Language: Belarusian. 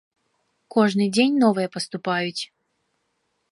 Кожны дзень новыя паступаюць.